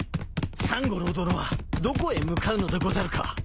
サン五郎殿はどこへ向かうのでござるか？